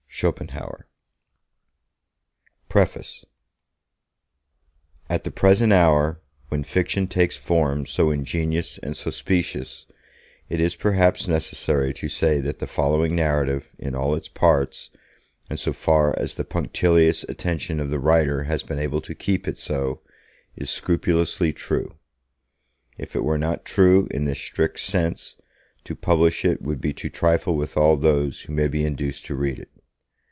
Schopenhauer PREFACE AT the present hour, when fiction takes forms so ingenious and so specious, it is perhaps necessary to say that the following narrative, in all its parts, and so far as the punctilious attention of the writer has been able to keep it so, is scrupulously true. If it were not true, in this strict sense, to publish it would be to trifle with all those who may be induced to read it.